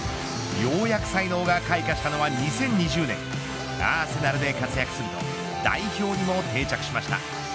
ようやく才能が開花したのは２０２０年アーセナルで活躍すると代表にも定着しました。